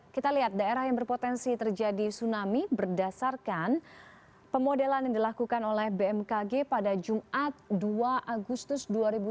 kita lihat daerah yang berpotensi terjadi tsunami berdasarkan pemodelan yang dilakukan oleh bmkg pada jumat dua agustus dua ribu dua puluh